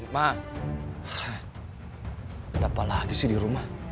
ma ada apa lagi sih di rumah